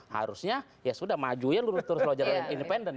harusnya ya sudah maju ya lulus lulus lojal independen